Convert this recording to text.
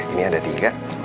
ini ada tiga